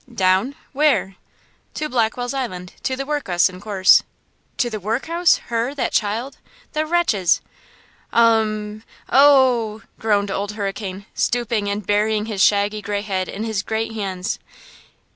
"Down! Where?" "To Blackwell's Island–to the work'us, in course." "To the workhouse–her, that child?–the wretches! Um m m me! Oh h h!" groaned Old Hurricane, stooping and burying his shaggy gray head in his great hands.